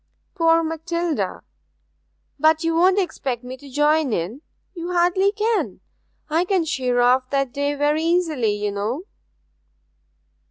Poor Matilda! But you won't expect me to join in you hardly can. I can sheer off that day very easily, you know.'